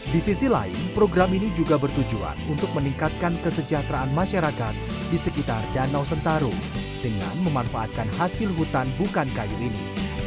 di sisi lain program ini juga bertujuan untuk meningkatkan kesejahteraan masyarakat di sekitar danau sentarung dengan memanfaatkan hasil hutan bukan kayu ini